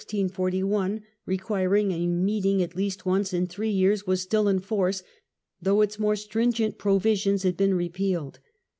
the Triennial Act of 1641, requiring a meeting at least once in three years, was still in force, though its more stringent provisions had been repealed.